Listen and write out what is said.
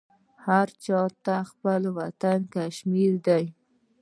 هر چا ته خپل وطن کشمیر دی